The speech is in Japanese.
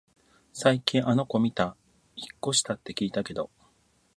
最近あの子みた？引っ越したって聞いたけど